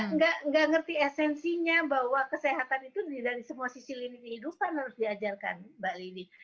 nggak ngerti esensinya bahwa kesehatan itu dari semua sisi lini kehidupan harus diajarkan mbak lili